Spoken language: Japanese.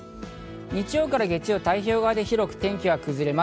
日曜から月曜は太平洋側で広く天気が崩れます。